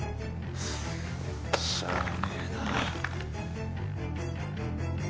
しゃあねえな。